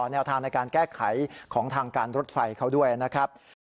แนวทางในการแก้ไขของทางการรถไฟเขาด้วยนะครับ